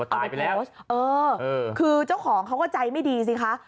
เอาไปแล้วเออคือเจ้าของเขาก็ใจไม่ดีสิคะ